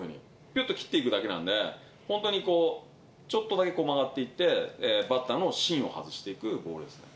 ぴゅっと切っていくだけなんで、本当にちょっとだけ曲がっていって、バッターの芯を外していくボールですね。